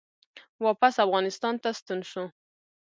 واپس افغانستان ته ستون شو